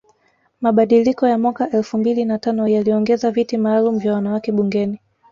Mabadiliko ya mwaka elfu mbili na tano yaliongeza viti maalum vya wanawake bungeni